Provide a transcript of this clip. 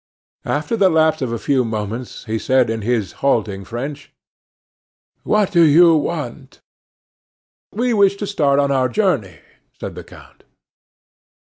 After the lapse of a few moments he said in his halting French: "What do you want?" "We wish to start on our journey," said the count.